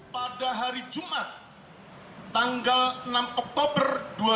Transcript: pada hari jumat tanggal enam oktober dua ribu dua puluh